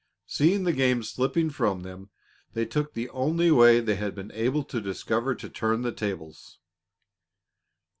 Seeing the game slipping from them, they took the only way they had been able to discover to turn the tables.